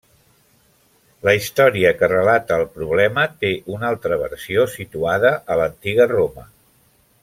La història que relata el problema té una altra versió, situada a l'antiga Roma.